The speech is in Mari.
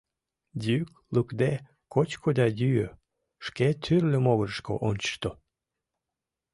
Йӱк лукде кочко да йӱӧ, шке тӱрлӧ могырышко ончышто.